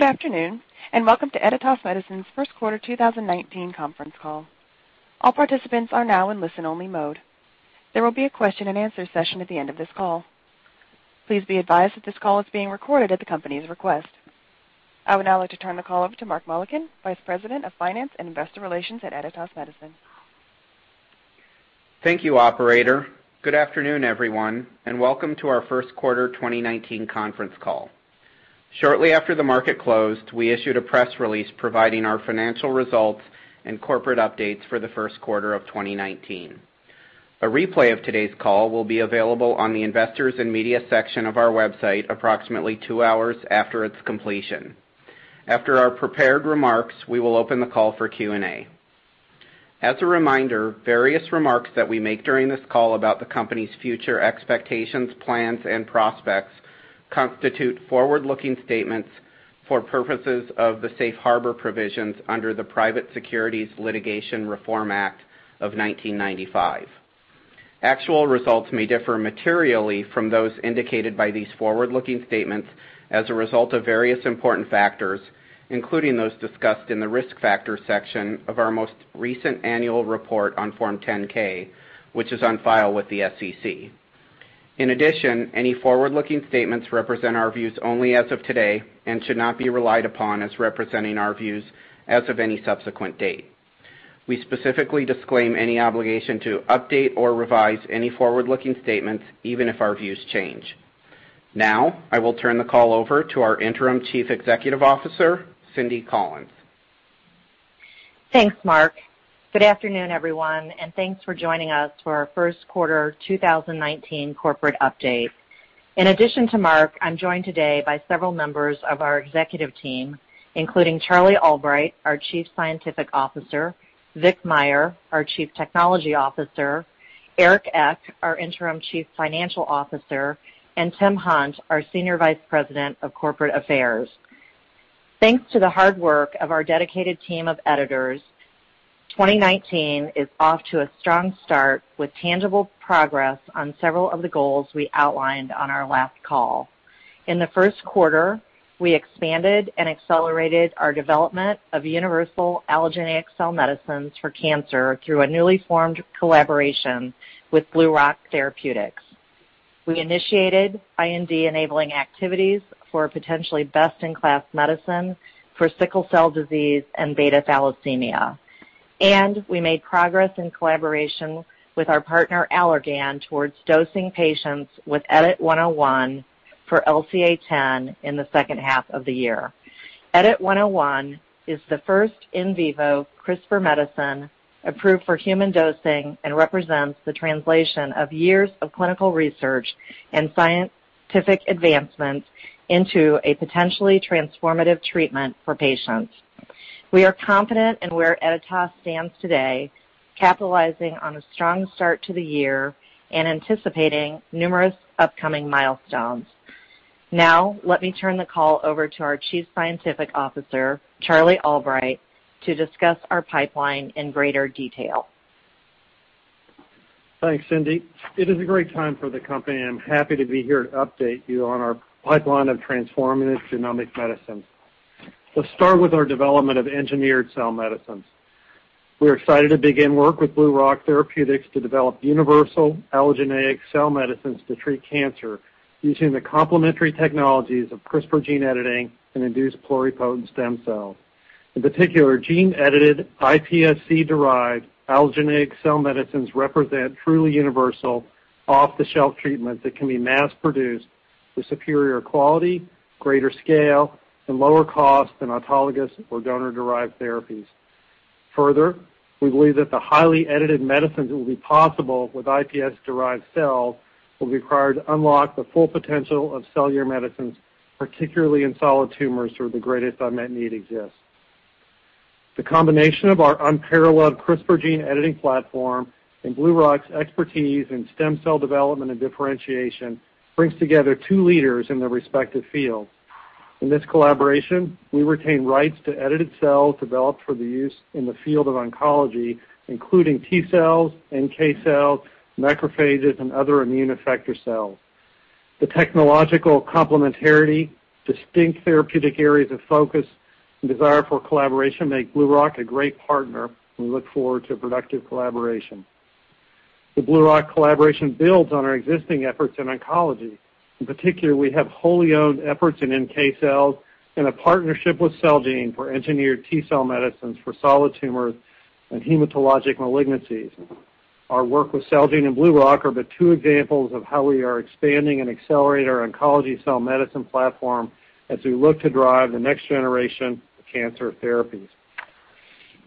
Good afternoon, and welcome to Editas Medicine's first quarter 2019 conference call. All participants are now in listen-only mode. There will be a question and answer session at the end of this call. Please be advised that this call is being recorded at the company's request. I would now like to turn the call over to Mark Mullikin, Vice President of Finance and Investor Relations at Editas Medicine. Thank you, operator. Good afternoon, everyone. Welcome to our first quarter 2019 conference call. Shortly after the market closed, we issued a press release providing our financial results and corporate updates for the first quarter of 2019. A replay of today's call will be available on the Investors and Media section of our website approximately two hours after its completion. After our prepared remarks, we will open the call for Q&A. As a reminder, various remarks that we make during this call about the company's future expectations, plans, and prospects constitute forward-looking statements for purposes of the safe harbor provisions under the Private Securities Litigation Reform Act of 1995. Actual results may differ materially from those indicated by these forward-looking statements as a result of various important factors, including those discussed in the Risk Factors section of our most recent annual report on Form 10-K, which is on file with the SEC. In addition, any forward-looking statements represent our views only as of today and should not be relied upon as representing our views as of any subsequent date. We specifically disclaim any obligation to update or revise any forward-looking statements, even if our views change. Now, I will turn the call over to our interim Chief Executive Officer, Cynthia Collins. Thanks, Mark. Good afternoon, everyone. Thanks for joining us for our first quarter 2019 corporate update. In addition to Mark, I'm joined today by several members of our executive team, including Charles Albright, our Chief Scientific Officer, Vic Myer, our Chief Technology Officer, Eric Eck, our interim Chief Financial Officer, and Tim Hunt, our Senior Vice President of Corporate Affairs. Thanks to the hard work of our dedicated team of Editans, 2019 is off to a strong start with tangible progress on several of the goals we outlined on our last call. In the first quarter, we expanded and accelerated our development of universal allogeneic cell medicines for cancer through a newly formed collaboration with BlueRock Therapeutics. We initiated IND-enabling activities for potentially best-in-class medicine for sickle cell disease and beta thalassemia. We made progress in collaboration with our partner, Allergan, towards dosing patients with EDIT-101 for LCA10 in the second half of the year. EDIT-101 is the first in vivo CRISPR medicine approved for human dosing and represents the translation of years of clinical research and scientific advancements into a potentially transformative treatment for patients. We are confident in where Editas stands today, capitalizing on a strong start to the year and anticipating numerous upcoming milestones. Let me turn the call over to our Chief Scientific Officer, Charles Albright, to discuss our pipeline in greater detail. Thanks, Cindy. It is a great time for the company, and I'm happy to be here to update you on our pipeline of transformative genomic medicine. Let's start with our development of engineered cell medicines. We're excited to begin work with BlueRock Therapeutics to develop universal allogeneic cell medicines to treat cancer using the complementary technologies of CRISPR gene editing and induced pluripotent stem cells. In particular, gene-edited iPSC-derived allogeneic cell medicines represent truly universal, off-the-shelf treatment that can be mass-produced with superior quality, greater scale, and lower cost than autologous or donor-derived therapies. We believe that the highly edited medicines that will be possible with iPS-derived cells will be required to unlock the full potential of cellular medicines, particularly in solid tumors where the greatest unmet need exists. The combination of our unparalleled CRISPR gene editing platform and BlueRock's expertise in stem cell development and differentiation brings together two leaders in their respective fields. In this collaboration, we retain rights to edited cells developed for the use in the field of oncology, including T cells, NK cells, macrophages, and other immune effector cells. The technological complementarity, distinct therapeutic areas of focus, desire for collaboration make BlueRock a great partner. We look forward to a productive collaboration. The BlueRock collaboration builds on our existing efforts in oncology. In particular, we have wholly owned efforts in NK cells, a partnership with Celgene for engineered T-cell medicines for solid tumors and hematologic malignancies. Our work with Celgene and BlueRock are but two examples of how we are expanding and accelerating our oncology cell medicine platform as we look to drive the next generation of cancer therapies.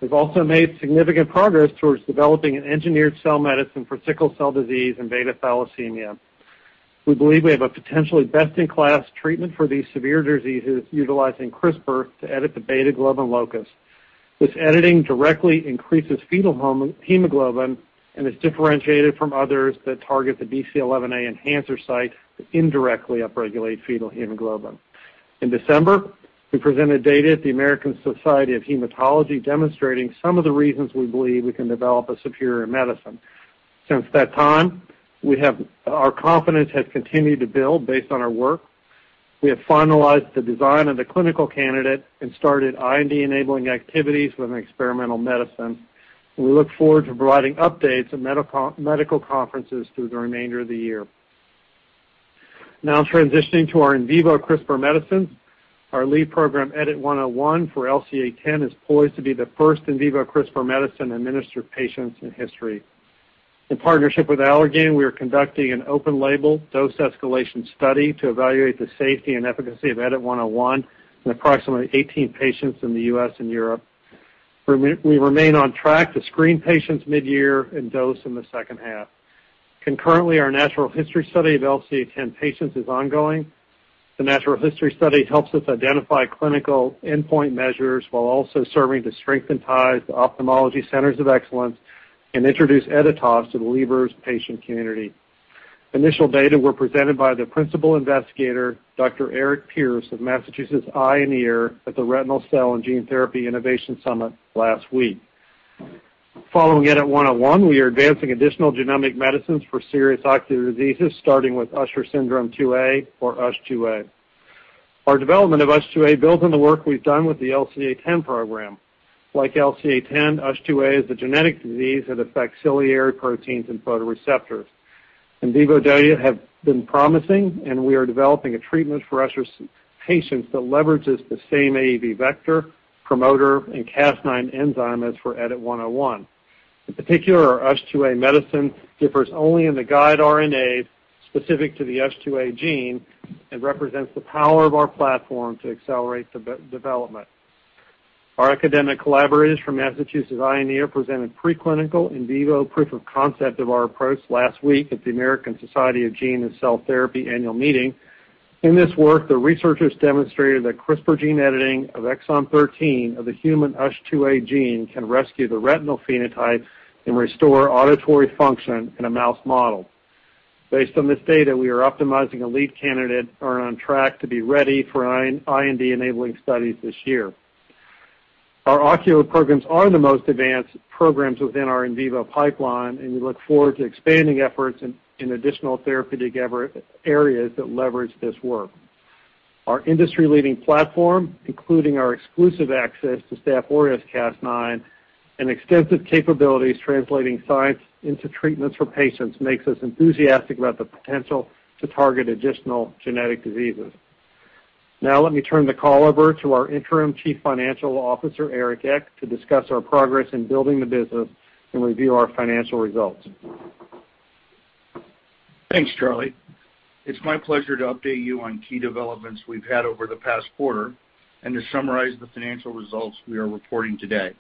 We've also made significant progress towards developing an engineered cell medicine for sickle cell disease and beta thalassemia. We believe we have a potentially best-in-class treatment for these severe diseases utilizing CRISPR to edit the beta globin locus. This editing directly increases fetal hemoglobin and is differentiated from others that target the BCL11A enhancer site that indirectly upregulate fetal hemoglobin. In December, we presented data at the American Society of Hematology demonstrating some of the reasons we believe we can develop a superior medicine. Our confidence has continued to build based on our work. We have finalized the design of the clinical candidate and started IND-enabling activities with an experimental medicine. We look forward to providing updates at medical conferences through the remainder of the year. Now transitioning to our in vivo CRISPR medicines, our lead program, EDIT-101 for LCA10, is poised to be the first in vivo CRISPR medicine administered to patients in history. In partnership with Allergan, we are conducting an open-label dose escalation study to evaluate the safety and efficacy of EDIT-101 in approximately 18 patients in the U.S. and Europe. We remain on track to screen patients mid-year and dose in the second half. Concurrently, our natural history study of LCA10 patients is ongoing. The natural history study helps us identify clinical endpoint measures while also serving to strengthen ties to ophthalmology centers of excellence and introduce Editas to the Leber's patient community. Initial data were presented by the principal investigator, Dr. Eric Pierce of Massachusetts Eye and Ear, at the Retinal Cell and Gene Therapy Innovation Summit last week. Following EDIT-101, we are advancing additional genomic medicines for serious ocular diseases, starting with Usher syndrome 2A, or USH2A. Our development of USH2A builds on the work we've done with the LCA10 program. Like LCA10, USH2A is a genetic disease that affects ciliary proteins and photoreceptors. We are developing a treatment for Usher patients that leverages the same AAV vector, promoter, and Cas9 enzyme as for EDIT-101. In particular, our USH2A medicine differs only in the guide RNA specific to the USH2A gene and represents the power of our platform to accelerate development. Our academic collaborators from Massachusetts Eye and Ear presented preclinical in vivo proof of concept of our approach last week at the American Society of Gene & Cell Therapy Annual Meeting. In this work, the researchers demonstrated that CRISPR gene editing of exon 13 of the human USH2A gene can rescue the retinal phenotype and restore auditory function in a mouse model. Based on this data, we are optimizing a lead candidate and are on track to be ready for IND-enabling studies this year. Our ocular programs are the most advanced programs within our in vivo pipeline. We look forward to expanding efforts in additional therapeutic areas that leverage this work. Our industry-leading platform, including our exclusive access to Staphylococcus aureus Cas9 and extensive capabilities translating science into treatments for patients, makes us enthusiastic about the potential to target additional genetic diseases. Let me turn the call over to our Interim Chief Financial Officer, Eric Eck, to discuss our progress in building the business and review our financial results. Thanks, Charlie. It's my pleasure to update you on key developments we've had over the past quarter and to summarize the financial results we are reporting today.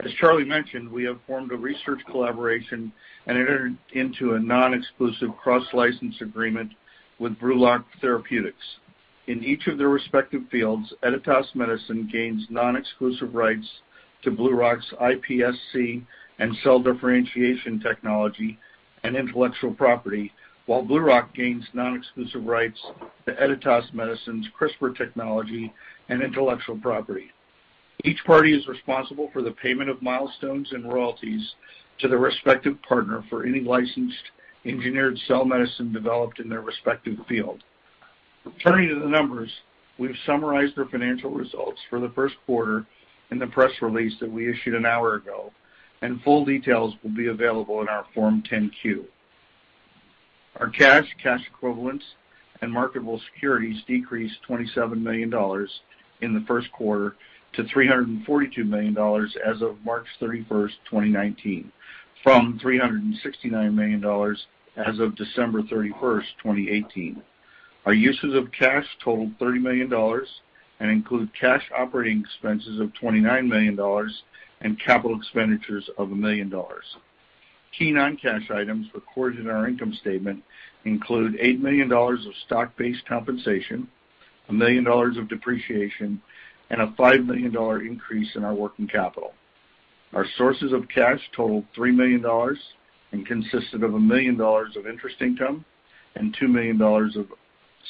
As Charlie mentioned, we have formed a research collaboration and entered into a non-exclusive cross-license agreement with BlueRock Therapeutics. In each of their respective fields, Editas Medicine gains non-exclusive rights to BlueRock's iPSC and cell differentiation technology and intellectual property, while BlueRock gains non-exclusive rights to Editas Medicine's CRISPR technology and intellectual property. Each party is responsible for the payment of milestones and royalties to the respective partner for any licensed engineered cell medicine developed in their respective field. Turning to the numbers, we've summarized our financial results for the first quarter in the press release that we issued an hour ago. Full details will be available in our Form 10-Q. Our cash equivalents, and marketable securities decreased $27 million in the first quarter to $342 million as of March 31st, 2019, from $369 million as of December 31st, 2018. Our uses of cash totaled $30 million and include cash operating expenses of $29 million and capital expenditures of $1 million. Key non-cash items recorded in our income statement include $8 million of stock-based compensation, $1 million of depreciation, and a $5 million increase in our working capital. Our sources of cash totaled $3 million and consisted of $1 million of interest income and $2 million of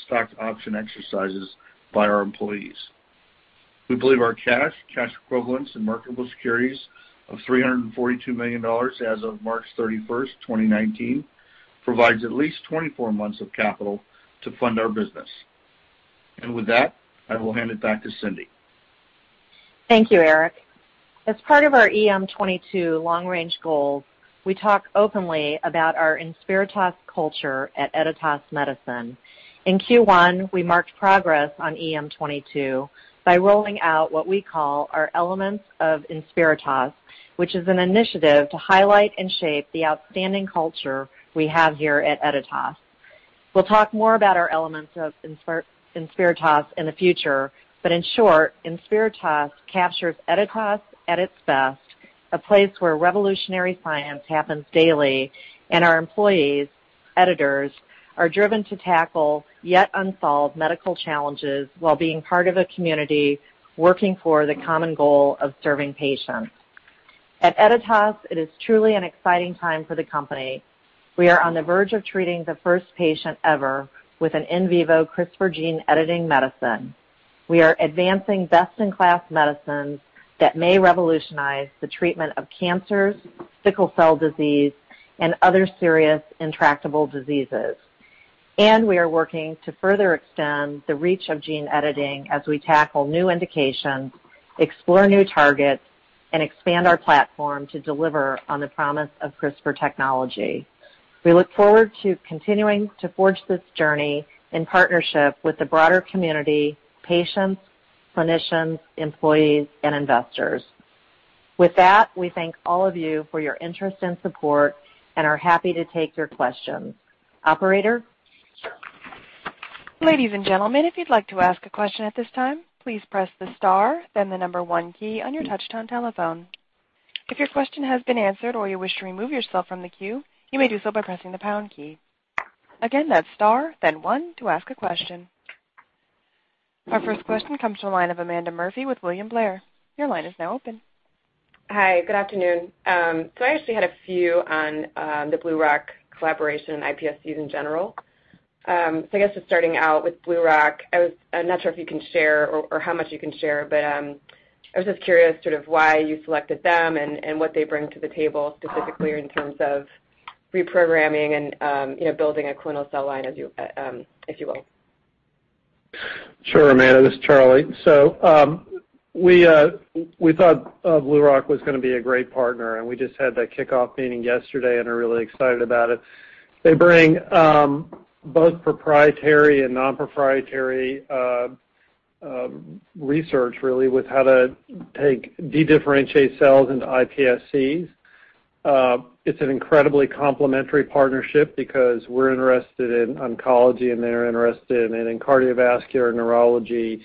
stock option exercises by our employees. We believe our cash equivalents, and marketable securities of $342 million as of March 31st, 2019, provides at least 24 months of capital to fund our business. With that, I will hand it back to Cindy. Thank you, Eric. As part of our EM 22 long-range goals, we talk openly about our Inspiritas culture at Editas Medicine. In Q1, we marked progress on EM 22 by rolling out what we call our Elements of Inspiritas, which is an initiative to highlight and shape the outstanding culture we have here at Editas. We will talk more about our Elements of Inspiritas in the future, but in short, Inspiritas captures Editas at its best, a place where revolutionary science happens daily, and our employees, Editans, are driven to tackle yet unsolved medical challenges while being part of a community working for the common goal of serving patients. At Editas, it is truly an exciting time for the company. We are on the verge of treating the first patient ever with an in vivo CRISPR gene editing medicine. We are advancing best-in-class medicines that may revolutionize the treatment of cancers, sickle cell disease, and other serious intractable diseases. We are working to further extend the reach of gene editing as we tackle new indications, explore new targets, and expand our platform to deliver on the promise of CRISPR technology. We look forward to continuing to forge this journey in partnership with the broader community, patients, clinicians, employees, and investors. With that, we thank all of you for your interest and support and are happy to take your questions. Operator? Sure. Ladies and gentlemen, if you would like to ask a question at this time, please press the star then the number one key on your touch-tone telephone. If your question has been answered or you wish to remove yourself from the queue, you may do so by pressing the pound key. Again, that is star then one to ask a question. Our first question comes from the line of Amanda Murphy with William Blair. Your line is now open. Hi, good afternoon. I actually had a few on the BlueRock collaboration and iPSCs in general. I guess just starting out with BlueRock, I'm not sure if you can share or how much you can share, but I was just curious sort of why you selected them and what they bring to the table specifically in terms of reprogramming and building a clonal cell line if you will. Sure, Amanda, this is Charlie. We thought BlueRock was going to be a great partner, we just had that kickoff meeting yesterday and are really excited about it. They bring both proprietary and non-proprietary research really with how to take dedifferentiated cells into iPSCs. It's an incredibly complementary partnership because we're interested in oncology, they're interested in cardiovascular neurology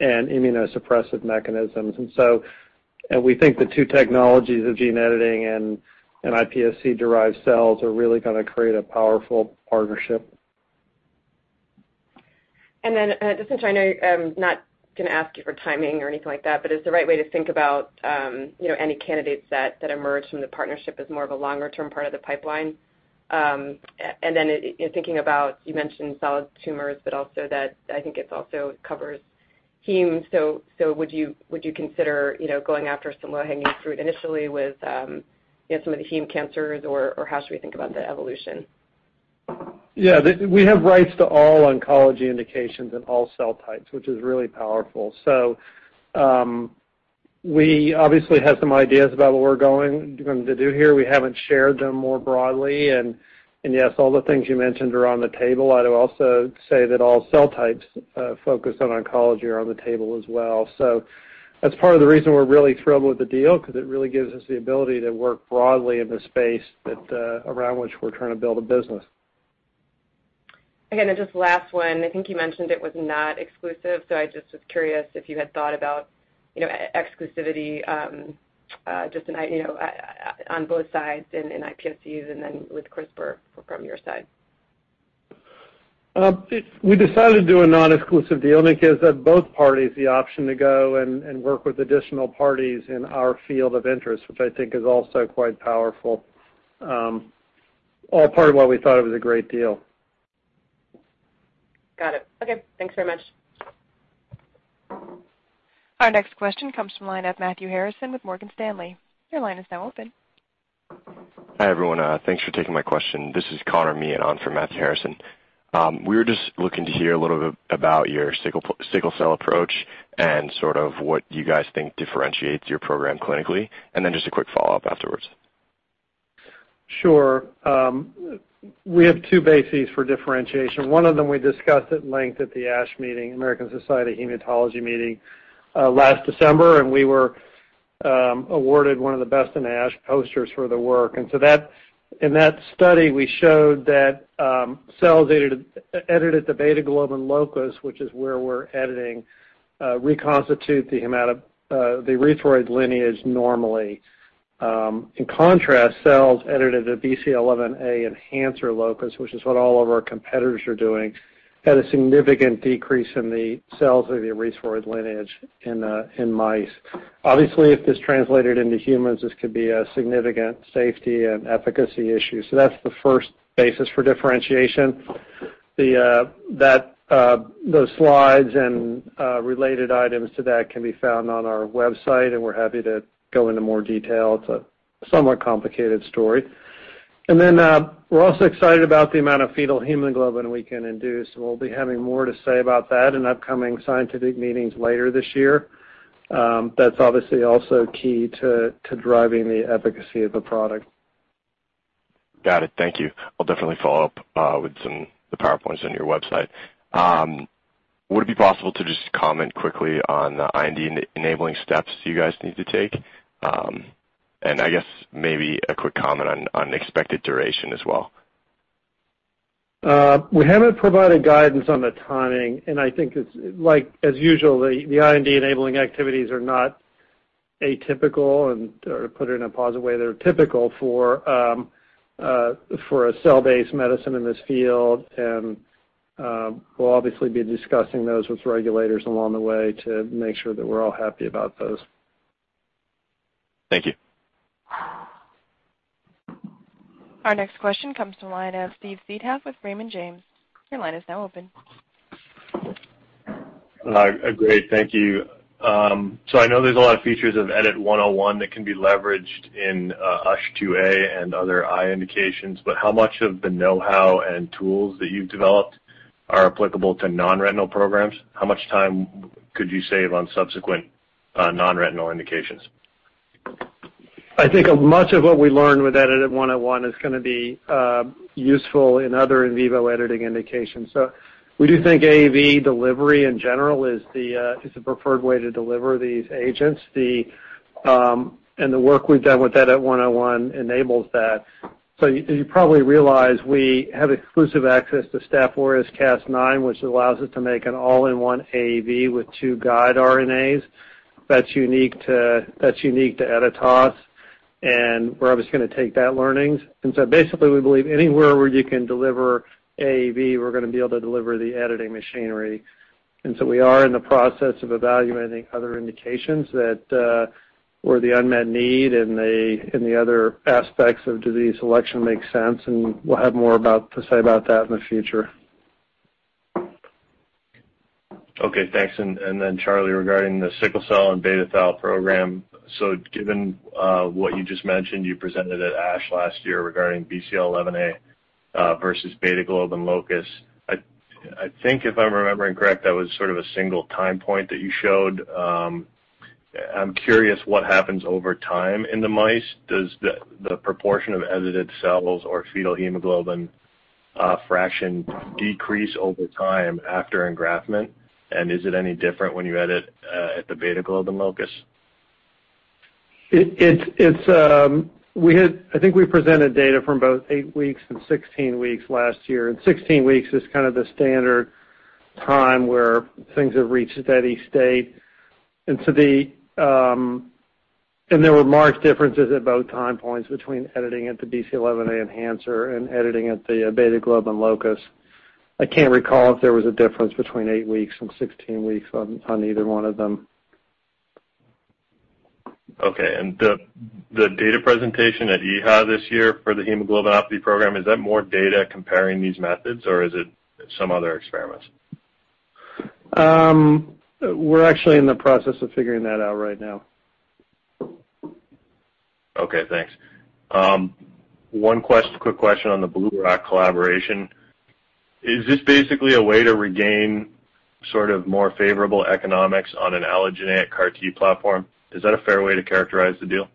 and immunosuppressive mechanisms. We think the two technologies of gene editing and iPSC-derived cells are really going to create a powerful partnership. Just since I know I'm not going to ask you for timing or anything like that, is the right way to think about any candidates that emerge from the partnership as more of a longer-term part of the pipeline? In thinking about, you mentioned solid tumors, but also that I think it also covers heme. Would you consider going after some low-hanging fruit initially with some of the heme cancers, or how should we think about the evolution? Yeah, we have rights to all oncology indications and all cell types, which is really powerful. We obviously have some ideas about what we're going to do here. We haven't shared them more broadly. Yes, all the things you mentioned are on the table. I'd also say that all cell types focused on oncology are on the table as well. That's part of the reason we're really thrilled with the deal, because it really gives us the ability to work broadly in the space around which we're trying to build a business. just last one, I think you mentioned it was not exclusive, so I just was curious if you had thought about exclusivity just on both sides in iPSCs and then with CRISPR from your side. We decided to do a non-exclusive deal because that both parties the option to go and work with additional parties in our field of interest, which I think is also quite powerful. All part of why we thought it was a great deal. Got it. Okay. Thanks very much. Our next question comes from the line of Matthew Harrison with Morgan Stanley. Your line is now open. Hi, everyone. Thanks for taking my question. This is Connor Meehan on for Matthew Harrison. We were just looking to hear a little bit about your sickle cell approach and sort of what you guys think differentiates your program clinically, then just a quick follow-up afterwards. Sure. We have two bases for differentiation. One of them we discussed at length at the ASH Meeting, American Society of Hematology meeting, last December, and we were awarded one of the best in ASH posters for the work. In that study, we showed that cells edited the beta globin locus, which is where we're editing, reconstitute the erythroid lineage normally. In contrast, cells edited the BCL11A enhancer locus, which is what all of our competitors are doing, had a significant decrease in the cells of the erythroid lineage in mice. Obviously, if this translated into humans, this could be a significant safety and efficacy issue. That's the first basis for differentiation. Those slides and related items to that can be found on our website, and we're happy to go into more detail. It's a somewhat complicated story. We're also excited about the amount of fetal hemoglobin we can induce, and we'll be having more to say about that in upcoming scientific meetings later this year. That's obviously also key to driving the efficacy of a product. Got it. Thank you. I'll definitely follow up with some, the PowerPoints on your website. Would it be possible to just comment quickly on the IND enabling steps you guys need to take? I guess maybe a quick comment on expected duration as well. We haven't provided guidance on the timing. I think it's as usual, the IND enabling activities are not atypical, or to put it in a positive way, they're typical for a cell-based medicine in this field. We'll obviously be discussing those with regulators along the way to make sure that we're all happy about those. Thank you. Our next question comes from the line of Steve Seedhouse with Raymond James. Your line is now open. Great. Thank you. I know there's a lot of features of EDIT-101 that can be leveraged in USH2A and other eye indications. How much of the know-how and tools that you've developed are applicable to non-retinal programs? How much time could you save on subsequent non-retinal indications? I think much of what we learned with EDIT-101 is going to be useful in other in vivo editing indications. We do think AAV delivery in general is the preferred way to deliver these agents. The work we've done with EDIT-101 enables that. As you probably realize, we have exclusive access to Staphylococcus aureus Cas9, which allows us to make an all-in-one AAV with two guide RNAs. That's unique to Editas, and we're obviously going to take that learnings. Basically, we believe anywhere where you can deliver AAV, we're going to be able to deliver the editing machinery. We are in the process of evaluating other indications where the unmet need and the other aspects of disease selection makes sense, and we'll have more to say about that in the future. Okay, thanks. Charlie, regarding the sickle cell and beta thal program, given what you just mentioned, you presented at ASH last year regarding BCL11A versus beta-globin locus. I think if I'm remembering correct, that was sort of a single time point that you showed. I'm curious what happens over time in the mice. Does the proportion of edited cells or fetal hemoglobin fraction decrease over time after engraftment? Is it any different when you edit at the beta-globin locus? I think we presented data from both eight weeks and 16 weeks last year, 16 weeks is kind of the standard time where things have reached a steady state. There were marked differences at both time points between editing at the BCL11A enhancer and editing at the beta-globin locus. I can't recall if there was a difference between eight weeks and 16 weeks on either one of them. Okay. The data presentation at EHA this year for the hemoglobinopathy program, is that more data comparing these methods, or is it some other experiments? We're actually in the process of figuring that out right now. Okay, thanks. One quick question on the BlueRock collaboration. Is this basically a way to regain sort of more favorable economics on an allogeneic CAR T platform? Is that a fair way to characterize the deal?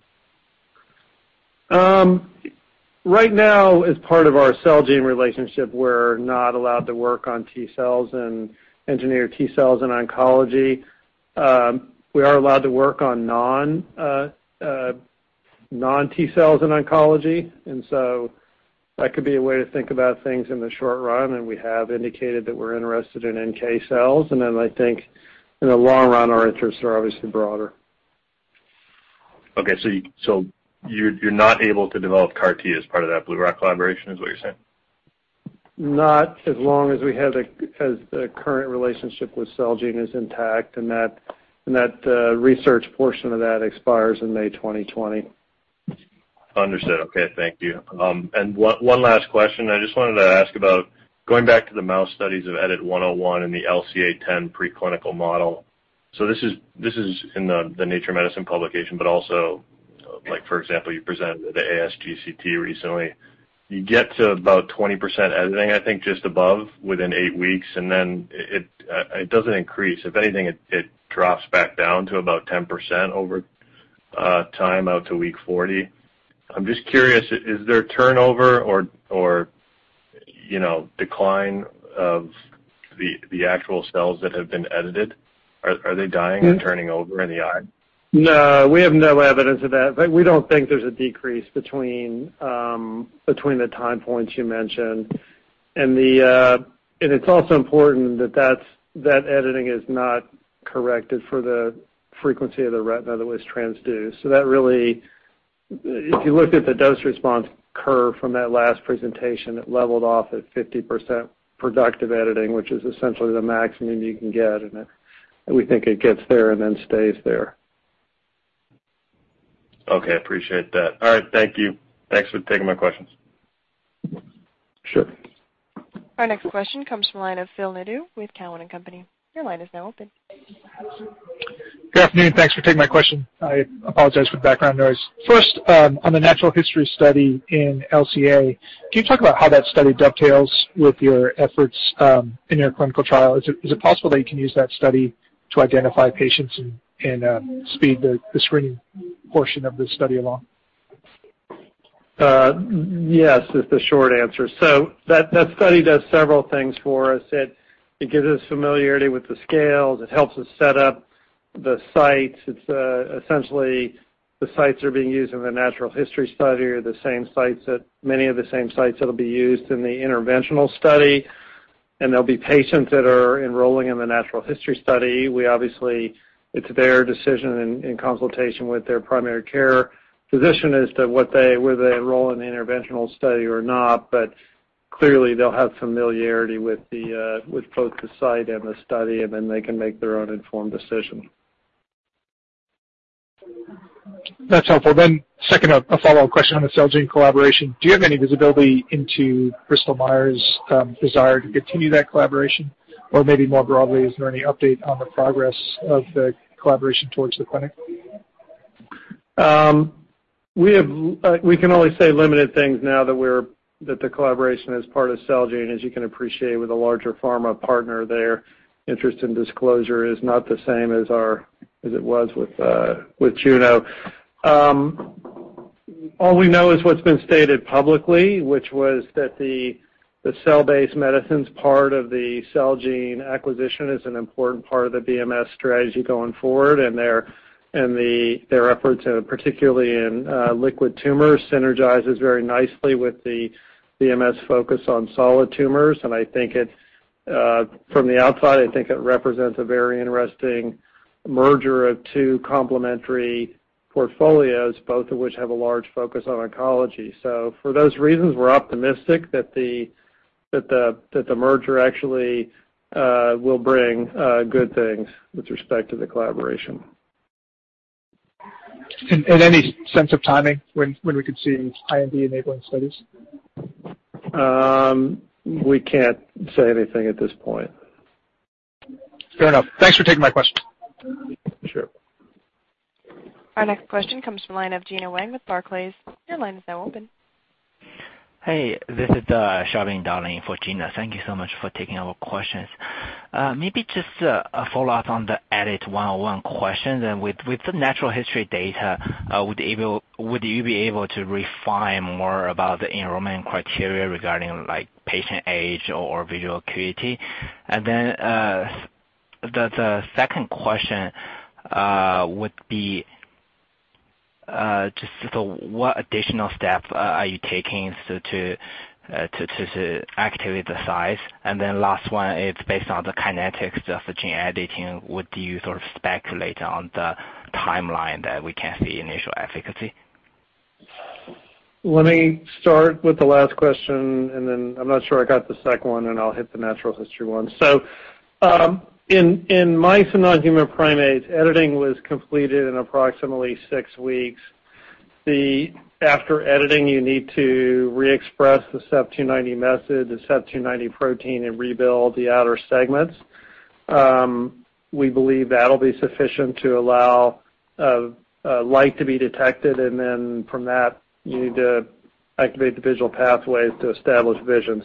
Right now, as part of our Celgene relationship, we're not allowed to work on T cells and engineered T cells in oncology. We are allowed to work on non-T cells in oncology. That could be a way to think about things in the short run. We have indicated that we're interested in NK cells. I think in the long run, our interests are obviously broader. Okay, you're not able to develop CAR T as part of that BlueRock collaboration, is what you're saying? Not as long as the current relationship with Celgene is intact, that research portion of that expires in May 2020. Understood. Okay. Thank you. One last question. I just wanted to ask about going back to the mouse studies of EDIT-101 in the LCA10 preclinical model. This is in the Nature Medicine publication, also, for example, you presented at the ASGCT recently. You get to about 20% editing, I think just above within eight weeks, and then it doesn't increase. If anything, it drops back down to about 10% over time out to week 40. I'm just curious, is there turnover or decline of the actual cells that have been edited? Are they dying or turning over in the eye? No, we have no evidence of that. We don't think there's a decrease between the time points you mentioned. It's also important that that editing is not corrected for the frequency of the retina that was transduced. If you looked at the dose response curve from that last presentation, it leveled off at 50% productive editing, which is essentially the maximum you can get, and we think it gets there and then stays there. Okay. Appreciate that. All right. Thank you. Thanks for taking my questions. Sure. Our next question comes from the line of Phil Nadeau with Cowen and Company. Your line is now open. Good afternoon. Thanks for taking my question. I apologize for the background noise. First, on the natural history study in LCA, can you talk about how that study dovetails with your efforts in your clinical trial? Is it possible that you can use that study to identify patients and speed the screening portion of this study along? Yes is the short answer. That study does several things for us. It gives us familiarity with the scales. It helps us set up the sites. Essentially, the sites are being used in the natural history study are many of the same sites that'll be used in the interventional study, and there'll be patients that are enrolling in the natural history study. Obviously, it's their decision in consultation with their primary care physician as to whether they enroll in the interventional study or not. Clearly, they'll have familiarity with both the site and the study, and then they can make their own informed decision. That's helpful. Second, a follow-up question on the Celgene collaboration. Do you have any visibility into Bristol Myers' desire to continue that collaboration? Maybe more broadly, is there any update on the progress of the collaboration towards the clinic? We can only say limited things now that the collaboration is part of Celgene. As you can appreciate, with a larger pharma partner, their interest in disclosure is not the same as it was with Juno. All we know is what's been stated publicly, which was that the cell-based medicines part of the Celgene acquisition is an important part of the BMS strategy going forward, and their efforts, particularly in liquid tumors, synergizes very nicely with the BMS focus on solid tumors. From the outside, I think it represents a very interesting merger of two complementary portfolios, both of which have a large focus on oncology. For those reasons, we're optimistic that the merger actually will bring good things with respect to the collaboration. Any sense of timing when we could see IND-enabling studies? We can't say anything at this point. Fair enough. Thanks for taking my questions. Sure. Our next question comes from the line of Gena Wang with Barclays. Your line is now open. Hey, this is Xiaobing doing for Gena. Thank you so much for taking our questions. Maybe just a follow-up on the EDIT-101 question. With the natural history data, would you be able to refine more about the enrollment criteria regarding patient age or visual acuity? The second question would be just what additional steps are you taking to activate the sites? Last one is based on the kinetics of the gene editing. Would you sort of speculate on the timeline that we can see initial efficacy? Let me start with the last question, and then I'm not sure I got the second one, and I'll hit the natural history one. In mice and non-human primates, editing was completed in approximately six weeks. After editing, you need to re-express the CEP290 message, the CEP290 protein, and rebuild the outer segments. We believe that'll be sufficient to allow light to be detected, and then from that, you need to activate the visual pathways to establish vision.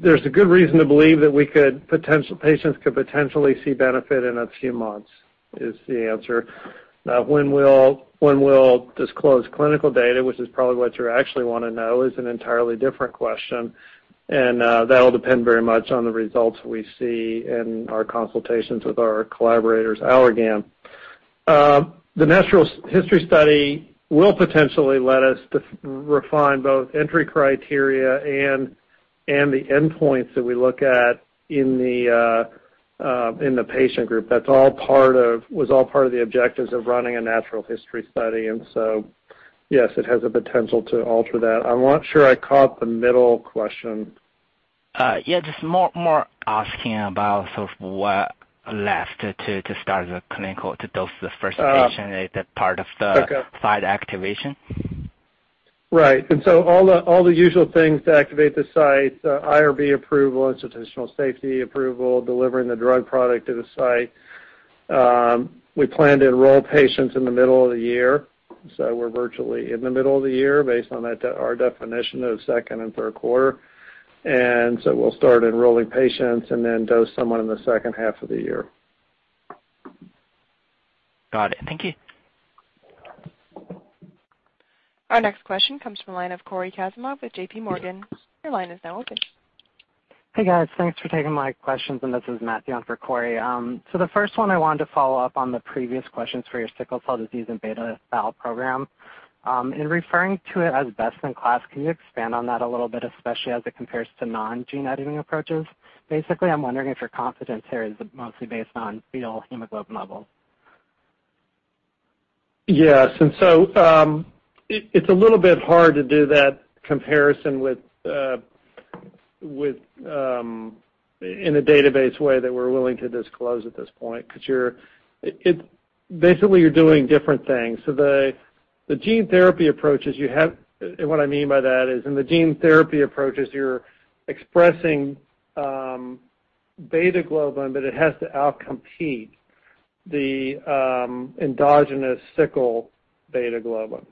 There's a good reason to believe that patients could potentially see benefit in a few months, is the answer. When we'll disclose clinical data, which is probably what you actually want to know, is an entirely different question, and that'll depend very much on the results we see in our consultations with our collaborators, Allergan. The natural history study will potentially let us refine both entry criteria and the endpoints that we look at in the patient group. That was all part of the objectives of running a natural history study. Yes, it has the potential to alter that. I'm not sure I caught the middle question. Yeah, just more asking about sort of what left to start the clinical, to dose the first patient at that part of the. Okay site activation. Right. All the usual things to activate the site, IRB approval, institutional safety approval, delivering the drug product to the site. We plan to enroll patients in the middle of the year. We're virtually in the middle of the year based on our definition of the second and third quarter. We'll start enrolling patients and then dose someone in the second half of the year. Got it. Thank you. Our next question comes from the line of Cory Kasimov with J.P. Morgan. Your line is now open. Hey, guys. Thanks for taking my questions. This is Matthew on for Cory. The first one, I wanted to follow up on the previous questions for your sickle cell disease and beta thal program. In referring to it as best in class, can you expand on that a little bit, especially as it compares to non-gene editing approaches? Basically, I'm wondering if your confidence here is mostly based on fetal hemoglobin levels. Yes. It's a little bit hard to do that comparison in a database way that we're willing to disclose at this point, because basically you're doing different things. The gene therapy approaches you have, and what I mean by that is in the gene therapy approaches, you're expressing beta globin, but it has to outcompete the endogenous sickle beta globin.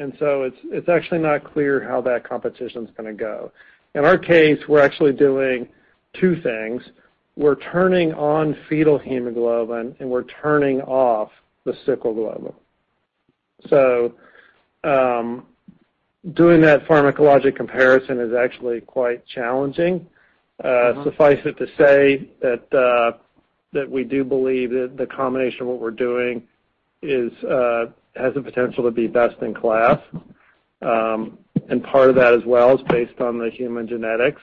It's actually not clear how that competition's going to go. In our case, we're actually doing two things. We're turning on fetal hemoglobin, and we're turning off the sickle globin. Doing that pharmacologic comparison is actually quite challenging. Suffice it to say that we do believe that the combination of what we're doing has the potential to be best in class. Part of that as well is based on the human genetics.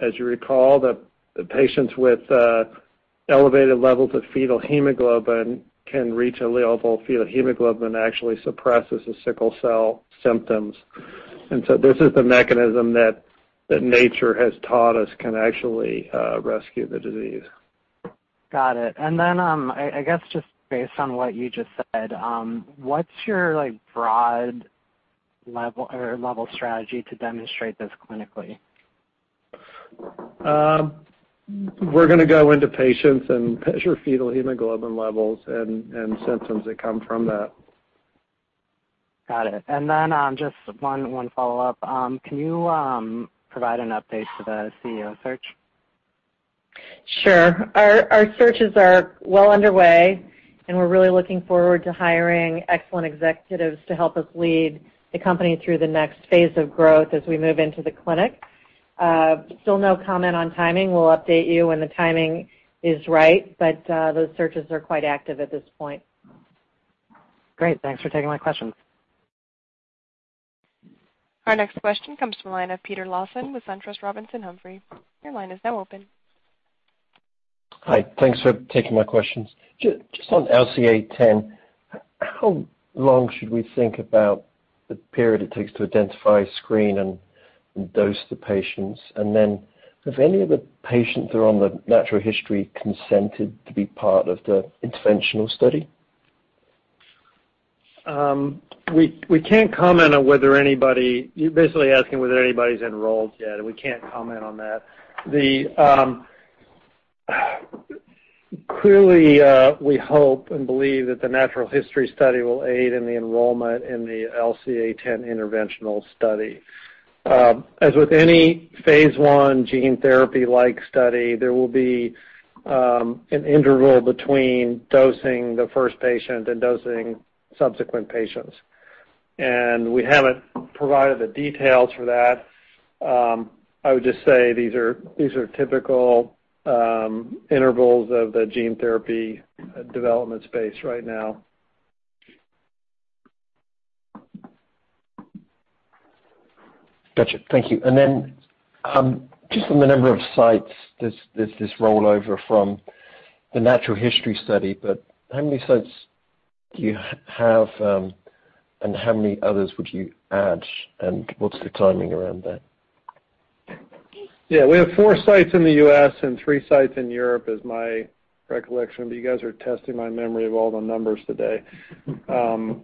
As you recall, the patients with elevated levels of fetal hemoglobin can reach a level of fetal hemoglobin that actually suppresses the sickle cell symptoms. This is the mechanism that nature has taught us can actually rescue the disease. Got it. I guess just based on what you just said, what's your broad level strategy to demonstrate this clinically? We're going to go into patients and measure fetal hemoglobin levels and symptoms that come from that. Got it. Just one follow-up. Can you provide an update to the CEO search? Sure. Our searches are well underway, and we're really looking forward to hiring excellent executives to help us lead the company through the next phase of growth as we move into the clinic. Still no comment on timing. We'll update you when the timing is right, those searches are quite active at this point. Great. Thanks for taking my questions. Our next question comes from the line of Peter Lawson with SunTrust Robinson Humphrey. Your line is now open. Hi. Thanks for taking my questions. Just on LCA10, how long should we think about the period it takes to identify, screen, and dose the patients? Have any of the patients that are on the natural history consented to be part of the interventional study? We can't comment on whether You're basically asking whether anybody's enrolled yet, and we can't comment on that. Clearly, we hope and believe that the natural history study will aid in the enrollment in the LCA10 interventional study. As with any phase I gene therapy-like study, there will be an interval between dosing the first patient and dosing subsequent patients. We haven't provided the details for that. I would just say these are typical intervals of the gene therapy development space right now. Got you. Thank you. Just on the number of sites, there's this rollover from the natural history study, how many sites do you have, and how many others would you add, and what's the timing around that? Yeah, we have four sites in the U.S. and three sites in Europe, is my recollection, you guys are testing my memory of all the numbers today. We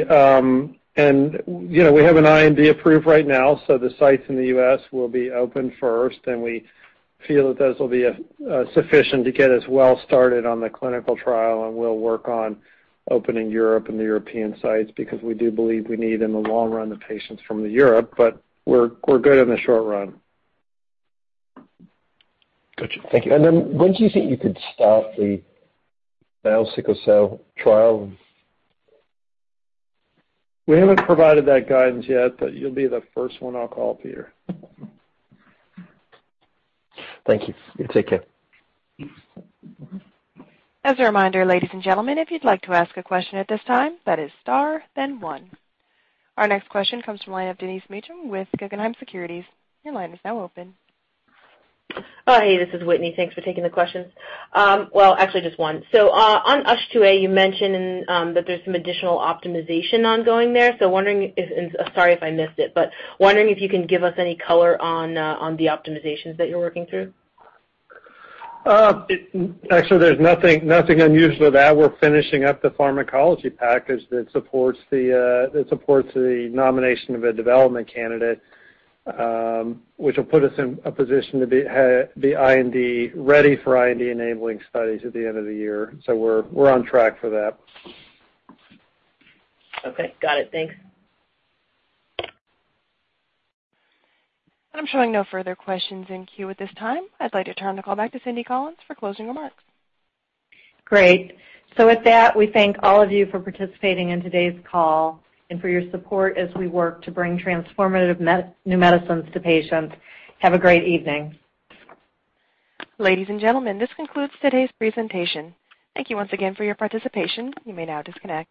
have an IND approved right now, the sites in the U.S. will be open first, we feel that those will be sufficient to get us well started on the clinical trial, we'll work on opening Europe and the European sites, we do believe we need, in the long run, the patients from Europe, we're good in the short run. Got you. Thank you. When do you think you could start the sickle cell trial? We haven't provided that guidance yet, you'll be the first one I'll call, Peter. Thank you. You take care. As a reminder, ladies and gentlemen, if you'd like to ask a question at this time, that is star then one. Our next question comes from the line of Denise Meacham with Guggenheim Securities. Your line is now open. Oh, hey, this is Whitney. Thanks for taking the questions. Well, actually just one. On USH2A, you mentioned that there's some additional optimization ongoing there. Sorry if I missed it, but wondering if you can give us any color on the optimizations that you're working through. Actually, there's nothing unusual with that. We're finishing up the pharmacology package that supports the nomination of a development candidate, which will put us in a position to be ready for IND-enabling studies at the end of the year. We're on track for that. Okay, got it. Thanks. I'm showing no further questions in queue at this time. I'd like to turn the call back to Cynthia Collins for closing remarks. Great. With that, we thank all of you for participating in today's call and for your support as we work to bring transformative new medicines to patients. Have a great evening. Ladies and gentlemen, this concludes today's presentation. Thank you once again for your participation. You may now disconnect.